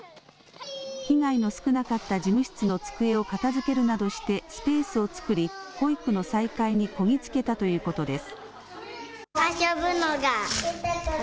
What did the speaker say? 被害の少なかった事務室の机を片づけるなどしてスペースを作り保育の再開にこぎ着けたということです。